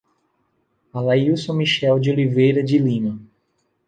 Alailson Michel de Oliveira de Lima